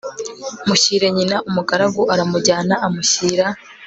mushyire nyina Umugaragu aramujyana amushyira